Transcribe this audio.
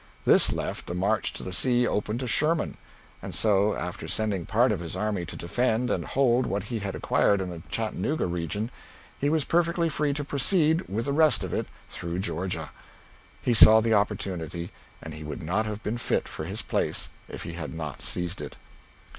This left the march to the sea open to Sherman, and so after sending part of his army to defend and hold what he had acquired in the Chattanooga region, he was perfectly free to proceed, with the rest of it, through Georgia. He saw the opportunity, and he would not have been fit for his place if he had not seized it.